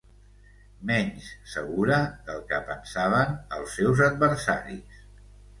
Menys segura del que pensaven els seus adversaris